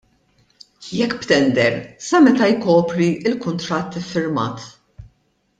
Jekk b'tender, sa meta jkopri l-kuntratt iffirmat?